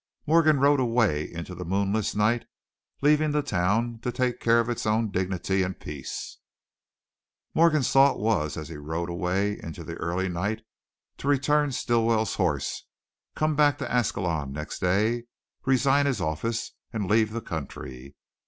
Morgan rode away into the moonless night, leaving the town to take care of its own dignity and peace. Morgan's thought was, as he rode away into the early night, to return Stilwell's horse, come back to Ascalon next day, resign his office and leave the country.